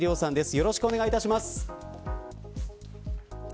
よろしくお願いします。